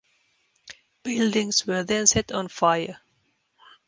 Buildings were then set on fire.